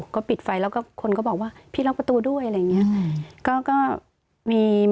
ก็ปิดไฟแล้วก็คนก็บอกว่าพี่ล็อกประตูด้วยอะไรอย่างนี้